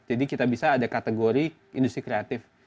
jadi kita bisa ada kategori industri kreatif